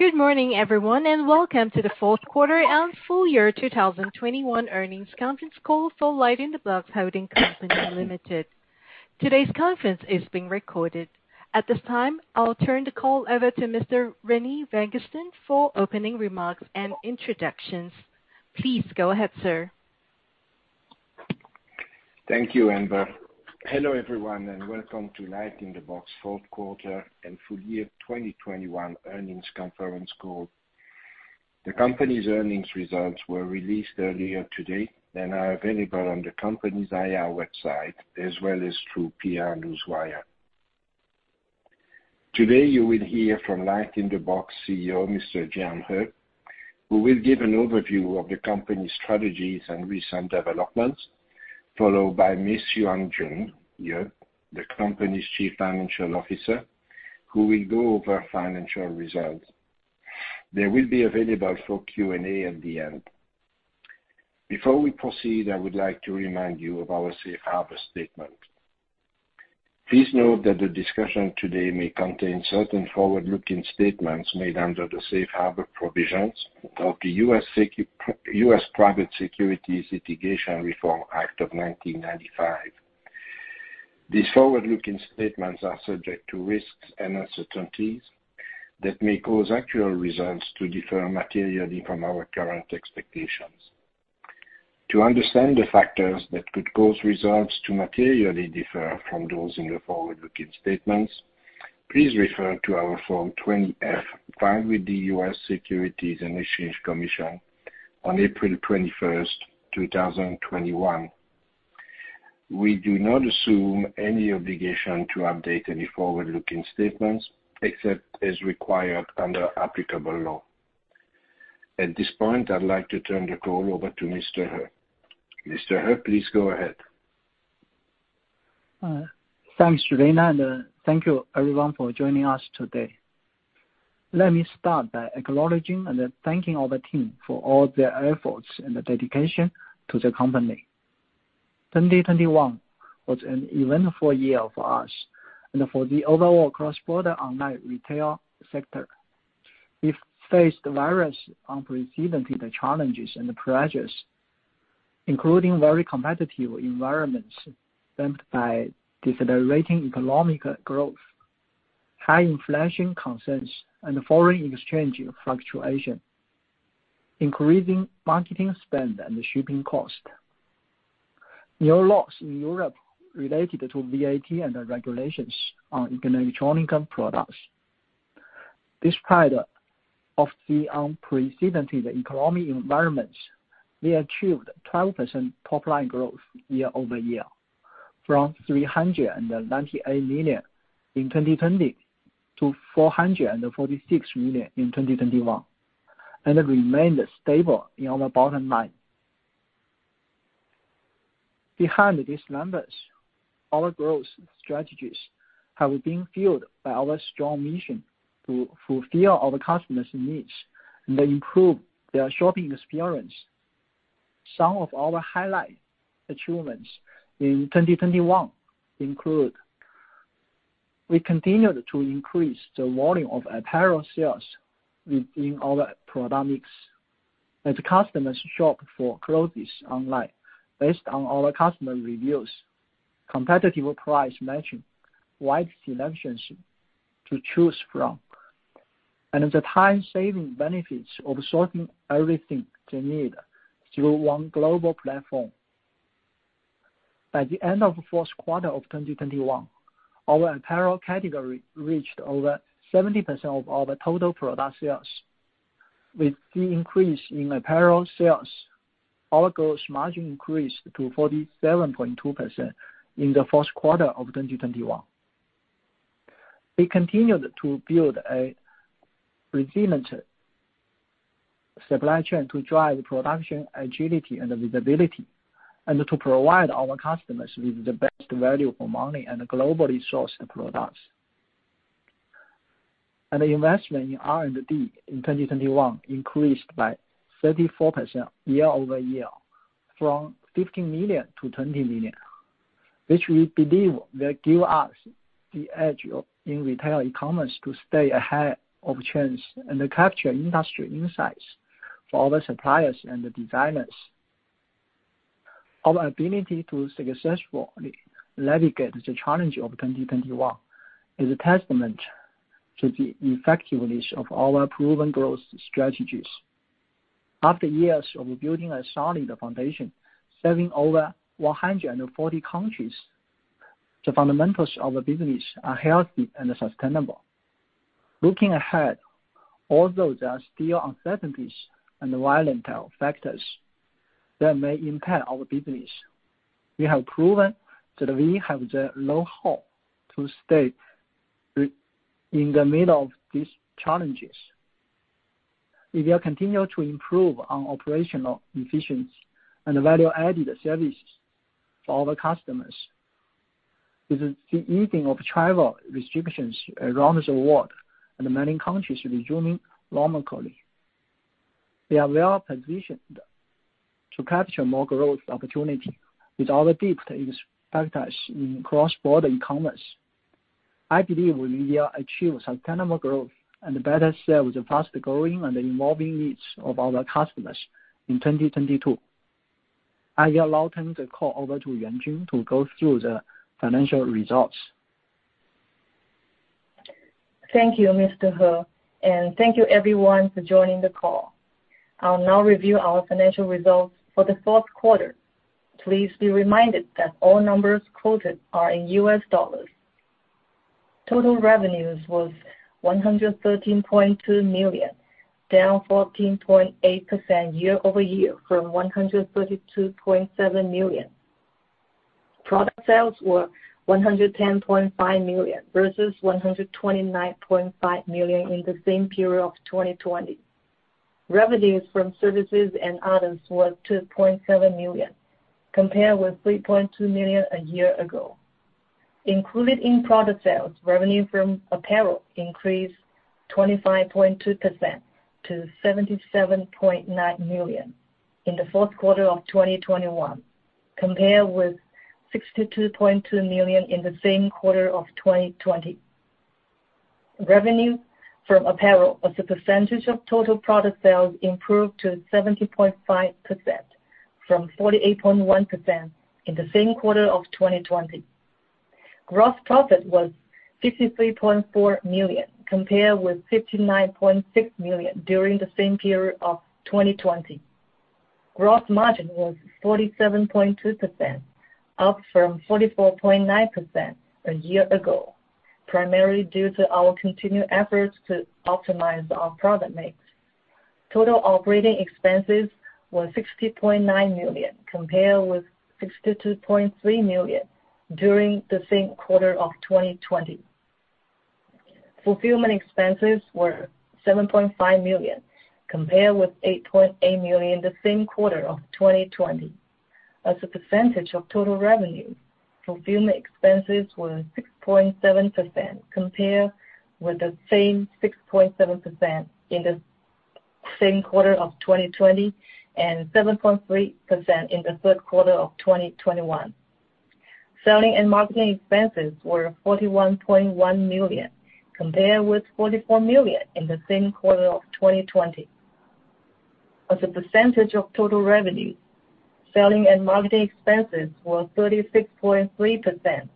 Good morning everyone, and welcome to the fourth quarter and full year 2021 earnings conference call for LightInTheBox Holding Co., Ltd. Today's conference is being recorded. At this time, I'll turn the call over to Mr. Rene Vanguestaine for opening remarks and introductions. Please go ahead, sir. Thank you, Amber. Hello everyone, and welcome to LightInTheBox fourth quarter and full year 2021 earnings conference call. The company's earnings results were released earlier today and are available on the company's IR website as well as through PR Newswire. Today, you will hear from LightInTheBox CEO, Mr. Jian He, who will give an overview of the company's strategies and recent developments, followed by Ms. Yuanjun, the company's Chief Financial Officer, who will go over financial results. They will be available for Q&A at the end. Before we proceed, I would like to remind you of our safe harbor statement. Please note that the discussion today may contain certain forward-looking statements made under the safe harbor provisions of the U.S. Private Securities Litigation Reform Act of 1995. These forward-looking statements are subject to risks and uncertainties that may cause actual results to differ materially from our current expectations. To understand the factors that could cause results to materially differ from those in the forward-looking statements, please refer to our Form 20-F filed with the U.S. Securities and Exchange Commission on April 21, 2021. We do not assume any obligation to update any forward-looking statements except as required under applicable law. At this point, I'd like to turn the call over to Mr. He. Mr. He, please go ahead. Thanks, Rene, and thank you everyone for joining us today. Let me start by acknowledging and then thanking all the team for all their efforts and the dedication to the company. 2021 was an eventful year for us and for the overall cross-border online retail sector. We faced various unprecedented challenges and pressures, including very competitive environments dampened by decelerating economic growth, high inflation concerns, and foreign exchange fluctuation, increasing marketing spend and shipping cost, new laws in Europe related to VAT and the regulations on electronic products. Despite of the unprecedented economic environment, we achieved 12% top-line growth year-over-year, from $398 million in 2020 to $446 million in 2021, and remained stable in our bottom line. Behind these numbers, our growth strategies have been fueled by our strong mission to fulfill our customers' needs and improve their shopping experience. Some of our highlight achievements in 2021 include. We continued to increase the volume of apparel sales within our product mix as customers shop for clothes online based on our customer reviews, competitive price matching, wide selections to choose from, and the time-saving benefits of sorting everything they need through one global platform. At the end of fourth quarter of 2021, our apparel category reached over 70% of our total product sales. With the increase in apparel sales, our gross margin increased to 47.2% in the first quarter of 2021. We continued to build a resilient supply chain to drive production agility and visibility, and to provide our customers with the best value for money and globally sourced products. Investment in R&D in 2021 increased by 34% year-over-year from $15 million-$20 million, which we believe will give us the edge in retail e-commerce to stay ahead of trends and capture industry insights for all the suppliers and the designers. Our ability to successfully navigate the challenge of 2021 is a testament to the effectiveness of our proven growth strategies. After years of building a solid foundation, serving over 140 countries, the fundamentals of the business are healthy and sustainable. Looking ahead, although there are still uncertainties and volatile factors that may impact our business, we have proven that we have the know-how to stay in the middle of these challenges. We will continue to improve on operational efficiency and value-added services for all the customers. With the easing of travel restrictions around the world and many countries resuming normally. We are well positioned to capture more growth opportunity with our deep expertise in cross-border e-commerce. I believe we will achieve sustainable growth and better serve the fast-growing and evolving needs of our customers in 2022. I'll now turn the call over to Yuanjun to go through the financial results. Thank you, Mr. He, and thank you everyone for joining the call. I'll now review our financial results for the fourth quarter. Please be reminded that all numbers quoted are in US dollars. Total revenues was $113.2 million, down 14.8% year-over-year from $132.7 million. Product sales were $110.5 million versus $129.5 million in the same period of 2020. Revenues from services and others was $2.7 million, compared with $3.2 million a year ago. Included in product sales, revenue from apparel increased 25.2% to $77.9 million in the fourth quarter of 2021, compared with $62.2 million in the same quarter of 2020. Revenue from apparel as a percentage of total product sales improved to 70.5% from 48.1% in the same quarter of 2020. Gross profit was $53.4 million, compared with $59.6 million during the same period of 2020. Gross margin was 47.2%, up from 44.9% a year ago, primarily due to our continued efforts to optimize our product mix. Total operating expenses was $60.9 million, compared with $62.3 million during the same quarter of 2020. Fulfillment expenses were $7.5 million, compared with $8.8 million the same quarter of 2020. As a percentage of total revenue, fulfillment expenses were 6.7% compared with the same 6.7% in the same quarter of 2020 and 7.3% in the third quarter of 2021. Selling and marketing expenses were $41.1 million, compared with $44 million in the same quarter of 2020. As a percentage of total revenue, selling and marketing expenses were 36.3%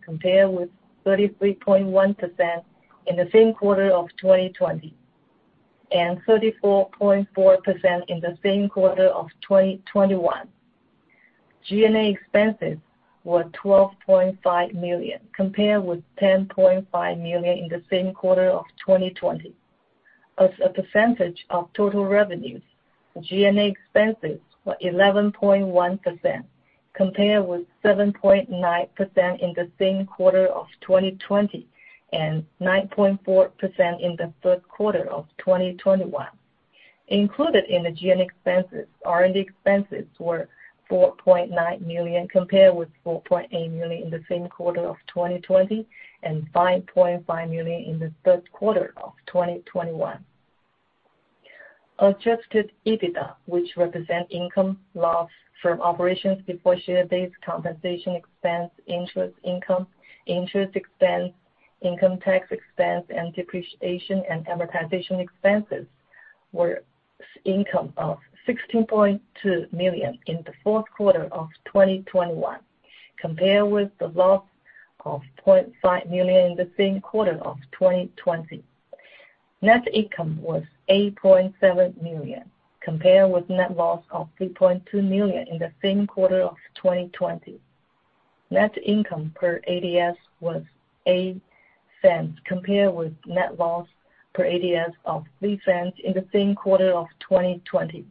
compared with 33.1% in the same quarter of 2020 and 34.4% in the same quarter of 2021. G&A expenses were $12.5 million, compared with $10.5 million in the same quarter of 2020. As a percentage of total revenues, G&A expenses were 11.1% compared with 7.9% in the same quarter of 2020 and 9.4% in the third quarter of 2021. Included in the G&A expenses, R&D expenses were $4.9 million, compared with $4.8 million in the same quarter of 2020 and $5.5 million in the third quarter of 2021. Adjusted EBITDA, which represent income loss from operations before share-based compensation expense, interest income, interest expense, income tax expense, and depreciation and amortization expenses, were income of $16.2 million in the fourth quarter of 2021, compared with the loss of $0.5 million in the same quarter of 2020. Net income was $8.7 million, compared with net loss of $3.2 million in the same quarter of 2020. Net income per ADS was $0.08, compared with net loss per ADS of $0.03 in the same quarter of 2020.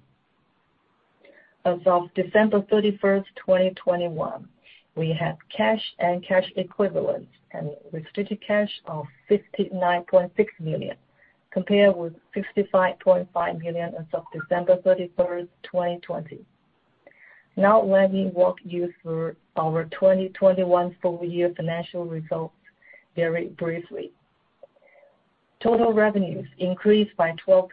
As of December 31, 2021, we have cash and cash equivalents and restricted cash of $59.6 million, compared with $65.5 million as of December 31, 2020. Now let me walk you through our 2021 full year financial results very briefly. Total revenues increased by 12%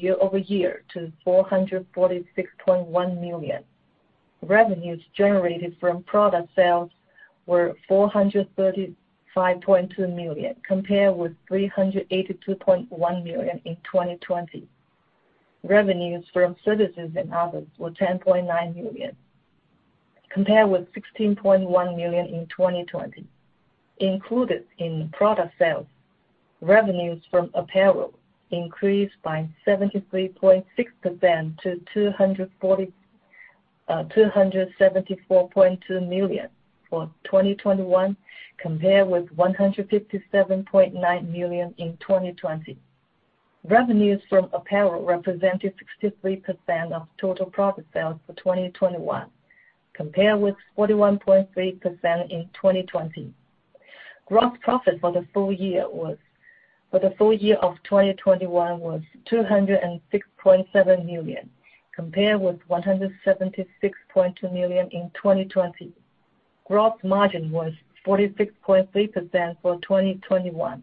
year-over-year to $446.1 million. Revenues generated from product sales were $435.2 million, compared with $382.1 million in 2020. Revenues from services and others were $10.9 million, compared with $16.1 million in 2020. Included in product sales, revenues from apparel increased by 73.6% to $274.2 million for 2021, compared with $157.9 million in 2020. Revenues from apparel represented 63% of total product sales for 2021, compared with 41.3% in 2020. Gross profit for the full year of 2021 was $206.7 million, compared with $176.2 million in 2020. Gross margin was 46.3% for 2021,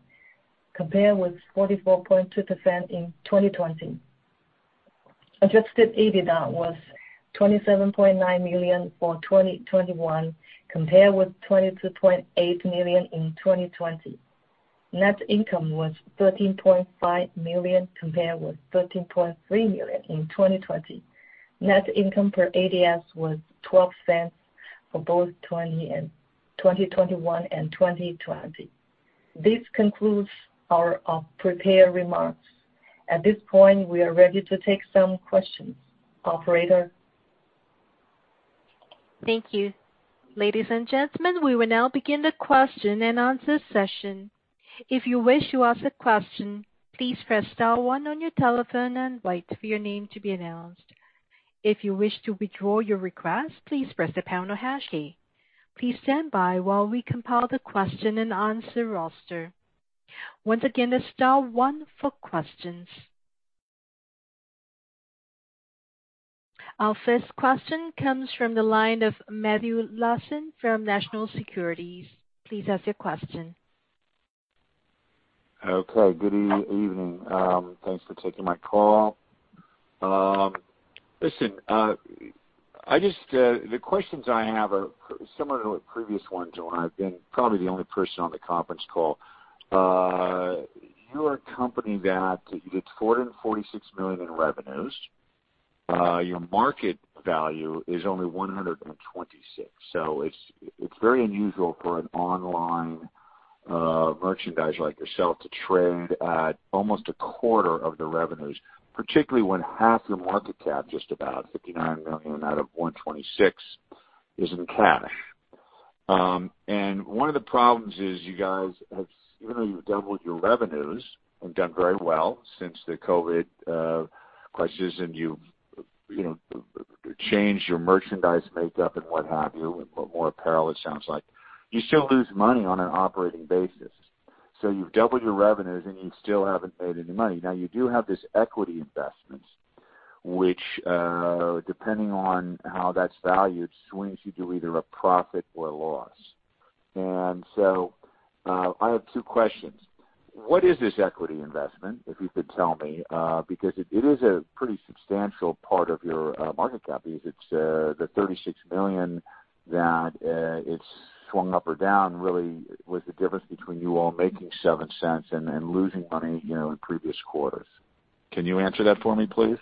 compared with 44.2% in 2020. Adjusted EBITDA was $27.9 million for 2021 compared with $22.8 million in 2020. Net income was $13.5 million compared with $13.3 million in 2020. Net income per ADS was $0.12 for both 2021 and 2020. This concludes our prepared remarks. At this point, we are ready to take some questions. Operator? Thank you. Ladies and gentlemen, we will now begin the question-and-answer session. If you wish to ask a question, please press star one on your telephone and wait for your name to be announced. If you wish to withdraw your request, please press the pound or hash key. Please stand by while we compile the question-and-answer roster. Once again, that's star one for questions. Our first question comes from the line of Matthew Larson from National Securities. Please ask your question. Okay. Good evening. Thanks for taking my call. Listen, I just the questions I have are similar to the previous ones when I've been probably the only person on the conference call. You're a company that you did $446 million in revenues. Your market value is only $126 million. It's very unusual for an online merchandise like yourself to trade at almost a quarter of the revenues, particularly when half your market cap, just about $59 million out of $126 million, is in cash. One of the problems is you guys have even though you've doubled your revenues and done very well since the COVID crisis, and you've you know changed your merchandise makeup and what have you, more apparel it sounds like, you still lose money on an operating basis. You've doubled your revenues and you still haven't made any money. Now, you do have this equity investment which, depending on how that's valued, swings you to either a profit or loss. I have two questions. What is this equity investment, if you could tell me? Because it is a pretty substantial part of your market cap because it's the $36 million that it's swung up or down really with the difference between you all making $0.07 and losing money, you know, in previous quarters. Can you answer that for me, please?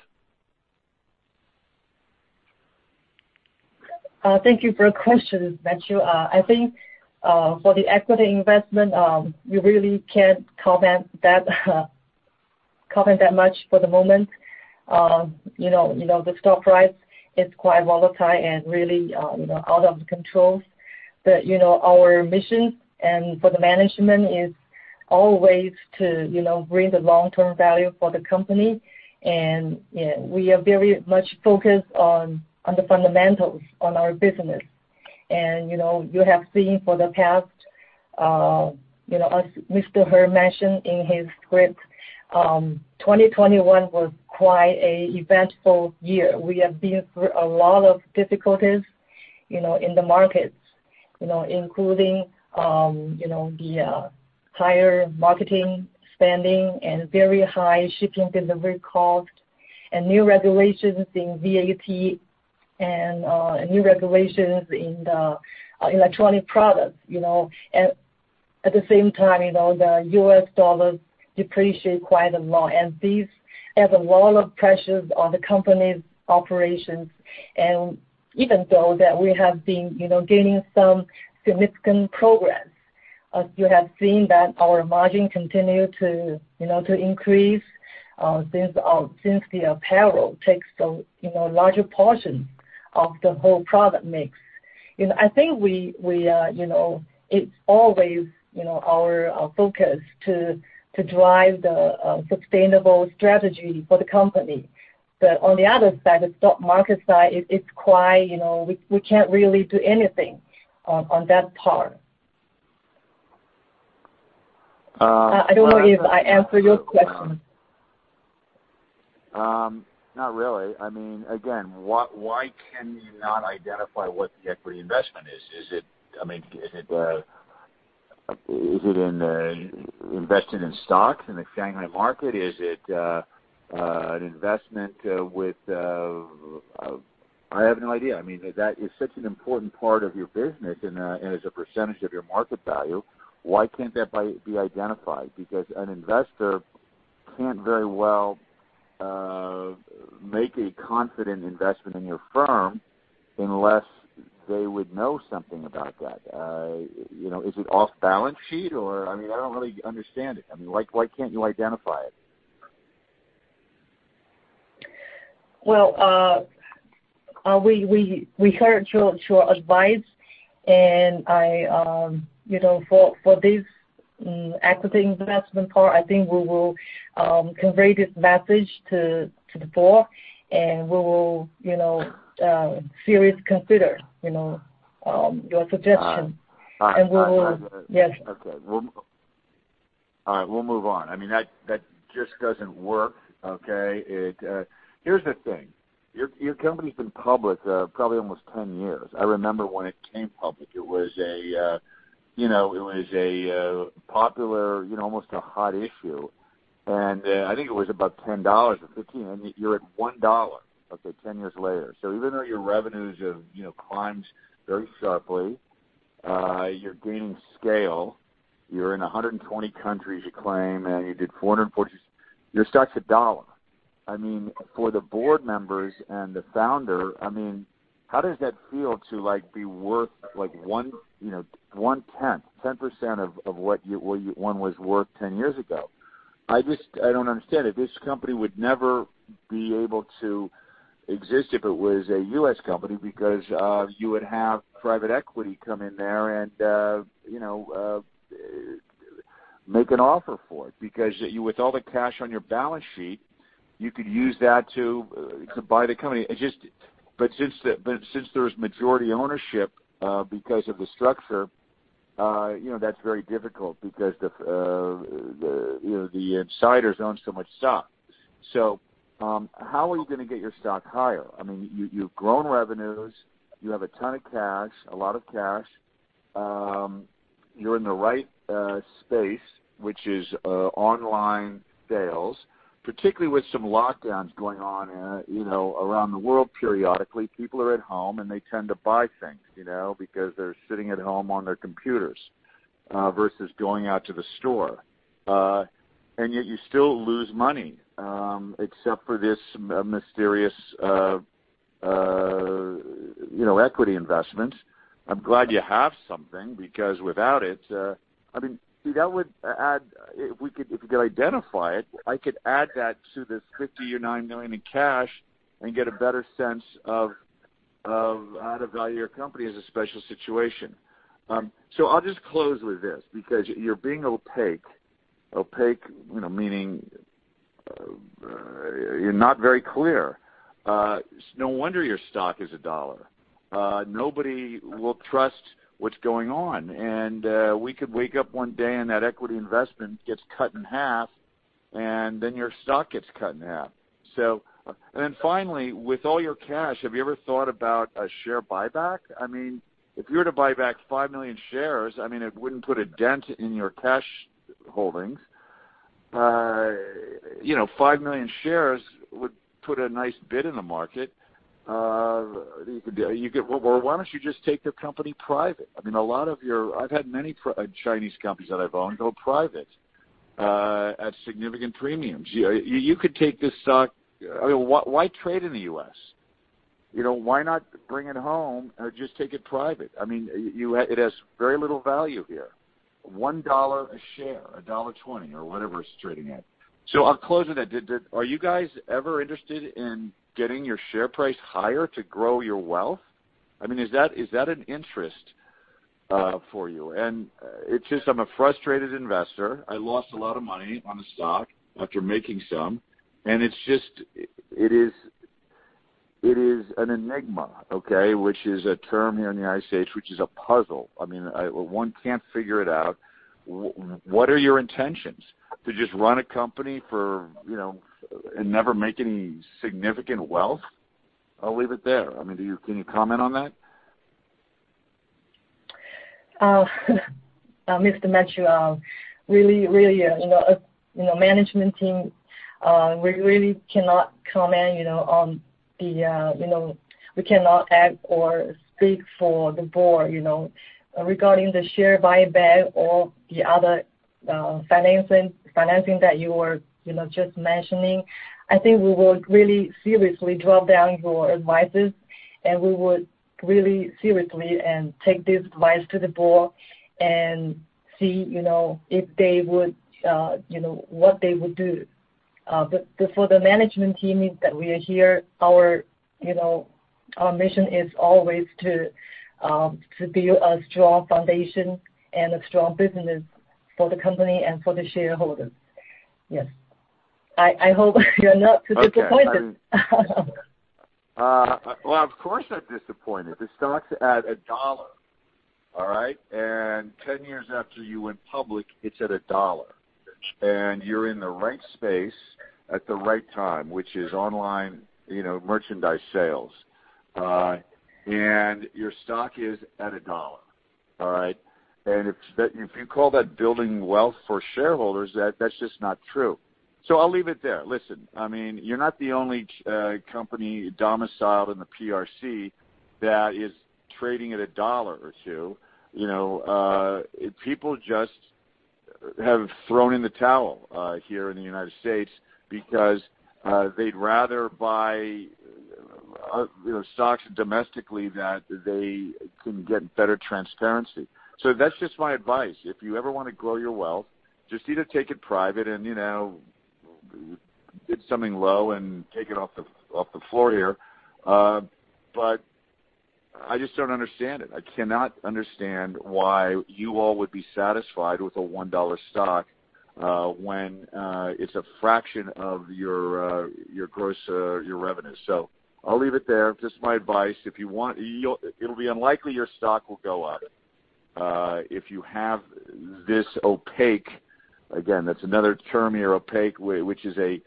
Thank you for the questions, Matthew. I think for the equity investment, we really can't comment that much for the moment. You know, the stock price is quite volatile and really out of control. Our mission and for the management is always to you know bring the long-term value for the company. You know, we are very much focused on the fundamentals of our business. You know, you have seen for the past, as Mr. He mentioned in his script, 2021 was quite an eventful year. We have been through a lot of difficulties, you know, in the markets, you know, including, you know, the higher marketing spending and very high shipping delivery cost and new regulations in VAT and new regulations in the electronic products, you know. At the same time, you know, the U.S. dollar depreciate quite a lot. These have a lot of pressures on the company's operations. Even though that we have been, you know, gaining some significant progress, you have seen that our margin continue to, you know, to increase, since the apparel takes a, you know, larger portion of the whole product mix. You know, I think we, you know, it's always, you know, our focus to drive the sustainable strategy for the company. On the other side, the stock market side, it's quite, you know, we can't really do anything on that part. Uh- I don't know if I answered your question. Not really. I mean, again, why can you not identify what the equity investment is? Is it, I mean, is it invested in stocks in the Shanghai market? Is it an investment with... I have no idea. I mean, that is such an important part of your business and as a percentage of your market value, why can't that be identified? Because an investor can't very well make a confident investment in your firm unless they would know something about that. You know, is it off balance sheet or, I mean, I don't really understand it. I mean, why can't you identify it? Well, we heard your advice, and I, you know, for this equity investment part, I think we will convey this message to the board, and we will, you know, seriously consider, you know, your suggestion. All right. We will. All right. Yes. Okay. All right, we'll move on. I mean, that just doesn't work, okay? Here's the thing, your company's been public, probably almost 10 years. I remember when it came public. It was a popular, you know, almost a hot issue. I think it was about $10 or $15, and you're at $1, okay, 10 years later. Even though your revenues have, you know, climbed very sharply, you're gaining scale, you're in 120 countries, you claim, and you did 440. Your stock's $1. I mean, for the board members and the founder, I mean, how does that feel to, like, be worth like one, you know, one tenth, 10% of what you were worth 10 years ago? I just don't understand it. This company would never be able to exist if it was a U.S. company because you would have private equity come in there and you know make an offer for it. With all the cash on your balance sheet, you could use that to buy the company. Since there's majority ownership because of the structure, you know, that's very difficult because the insiders own so much stock. How are you gonna get your stock higher? I mean, you've grown revenues. You have a ton of cash, a lot of cash. You're in the right space, which is online sales, particularly with some lockdowns going on you know around the world periodically. People are at home, and they tend to buy things, you know, because they're sitting at home on their computers, versus going out to the store. Yet you still lose money, except for this, mysterious, you know, equity investment. I'm glad you have something because without it. I mean, see, that would add. If we could identify it, I could add that to this $59 million in cash and get a better sense of how to value your company as a special situation. I'll just close with this, because you're being opaque. Opaque, you know, meaning, you're not very clear. No wonder your stock is $1. Nobody will trust what's going on. We could wake up one day and that equity investment gets cut in half, and then your stock gets cut in half. Then finally, with all your cash, have you ever thought about a share buyback? I mean, if you were to buy back 5 million shares, I mean, it wouldn't put a dent in your cash holdings. 5 million shares would put a nice bid in the market. You could or why don't you just take the company private? I mean, I've had many Chinese companies that I've owned go private at significant premiums. You could take this stock. I mean, why trade in the U.S.? You know, why not bring it home or just take it private? I mean, it has very little value here. $1 a share, $1.20 or whatever it's trading at. I'll close with that. Are you guys ever interested in getting your share price higher to grow your wealth? I mean, is that an interest for you? It's just, I'm a frustrated investor. I lost a lot of money on the stock after making some, and it's just it is an enigma, okay? Which is a term here in the United States, which is a puzzle. I mean, one can't figure it out. What are your intentions? To just run a company for, you know, and never make any significant wealth? I'll leave it there. I mean, can you comment on that? Mr. Matthew, really, you know, management team, we really cannot comment, you know, on the, you know, we cannot act or speak for the board, you know. Regarding the share buyback or the other financing that you were, you know, just mentioning, I think we would really seriously consider your advice, and take this advice to the board and see, you know, if they would, you know, what they would do. For the management team that we are here, our, you know, mission is always to build a strong foundation and a strong business for the company and for the shareholders. Yes. I hope you're not too disappointed. Well, of course I'm disappointed. The stock's at $1, all right? 10 years after you went public, it's at $1. You're in the right space at the right time, which is online, you know, merchandise sales. Your stock is at $1, all right? If you call that building wealth for shareholders, that's just not true. I'll leave it there. Listen, I mean, you're not the only company domiciled in the PRC that is trading at $1 or $2. You know, people just have thrown in the towel here in the United States because they'd rather buy you know, stocks domestically that they can get better transparency. That's just my advice. If you ever wanna grow your wealth, just either take it private and, you know, bid something low and take it off the floor here. I just don't understand it. I cannot understand why you all would be satisfied with a $1 stock, when it's a fraction of your gross revenue. I'll leave it there. Just my advice. If you want, you'll. It'll be unlikely your stock will go up, if you have this opaque, again, that's another term here, opaque, which is a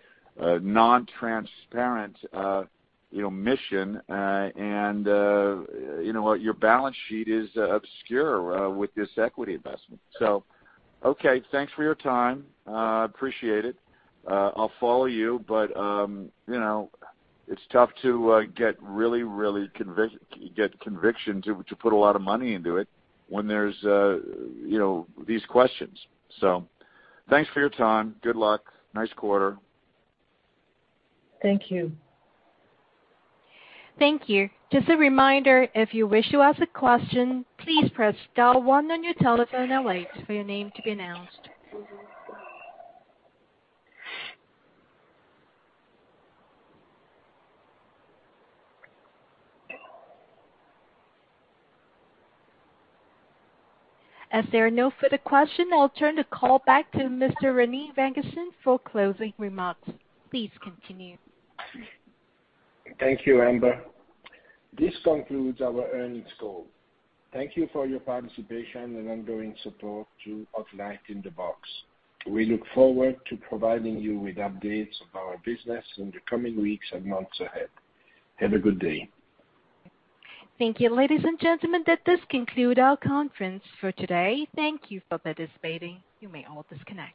non-transparent, you know, mission. You know what? Your balance sheet is obscure with this equity investment. Okay, thanks for your time. Appreciate it. I'll follow you, but you know, it's tough to get conviction to put a lot of money into it when there's you know, these questions. Thanks for your time. Good luck. Nice quarter. Thank you. Thank you. Just a reminder, if you wish to ask a question, please press star one on your telephone and wait for your name to be announced. As there are no further question, I'll turn the call back to Mr. Rene Vanguestaine for closing remarks. Please continue. Thank you, Amber. This concludes our earnings call. Thank you for your participation and ongoing support to LightInTheBox. We look forward to providing you with updates of our business in the coming weeks and months ahead. Have a good day. Thank you. Ladies and gentlemen, that does conclude our conference for today. Thank you for participating. You may all disconnect.